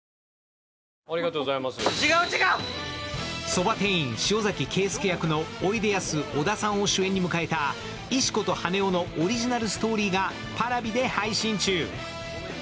そば店員・塩崎啓介役のおいでやす小田さんを主演に迎えた「石子と羽男」のオリジナルストーリーがＰａｒａｖｉで配信中。